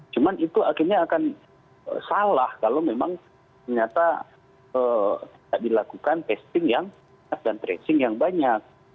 cuma itu akhirnya akan salah kalau memang ternyata tidak dilakukan testing yang tracing yang banyak